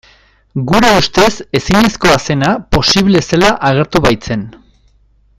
Gure ustez ezinezkoa zena posible zela agertu baitzen.